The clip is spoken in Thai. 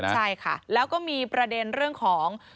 ใช่ค่ะแล้วก็มีประเด็นเรื่องของ